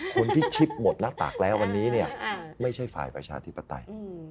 คนที่คิดหมดหน้าปากแล้ววันนี้เนี่ยไม่ใช่ฝ่ายประชาธิปไตย